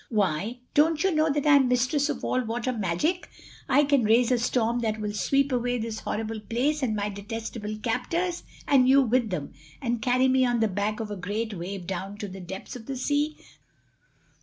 "Why, don't you know that I am mistress of all water magic? I can raise a storm that will sweep away this horrible place and my detestable captors and you with them, and carry me on the back of a great wave down to the depths of the sea."